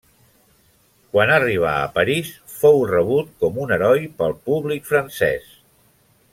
Quan arribà a París, fou rebut com un heroi pel públic francès.